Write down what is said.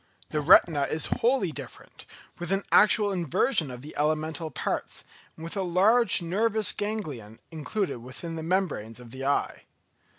The retina is wholly different, with an actual inversion of the elemental parts, and with a large nervous ganglion included within the membranes of the eye.